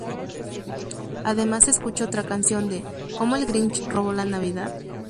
Además se escucha otra canción de "¡Cómo el Grinch robó la Navidad!